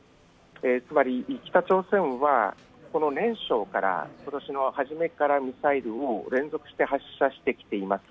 つまり北朝鮮は今年の初めからミサイルを連続して発射してきています。